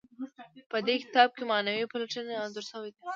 په دې کتاب کې معنوي پلټنې انځور شوي دي.